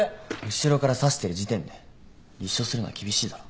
後ろから刺してる時点で立証するのは厳しいだろ。